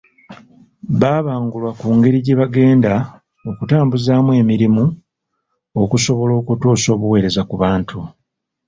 Babangulwa ku ngeri gye bagenda okutambuzaamu emirimu, okusobola okutuusa obuweereza ku bantu.